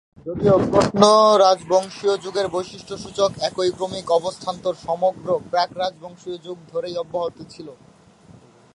যদিও প্রত্ন-রাজবংশীয় যুগের বৈশিষ্ট্যসূচক একই ক্রমিক অবস্থান্তর সমগ্র প্রাক-রাজবংশীয় যুগ ধরেই অব্যাহত ছিল।